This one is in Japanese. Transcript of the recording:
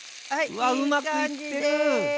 うわっうまくいってる！